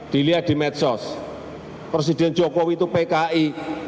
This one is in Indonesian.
dilihat di medsos presiden jokowi itu pki